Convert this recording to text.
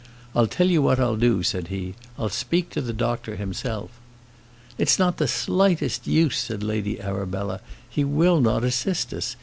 "I'll tell you what I'll do," said he. "I'll speak to the doctor himself." "It's not the slightest use," said Lady Arabella. "He will not assist us.